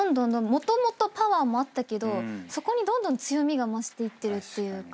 もともとパワーもあったけどそこにどんどん強みが増していってるっていうか。